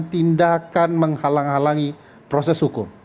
tindakan menghalang halangi proses hukum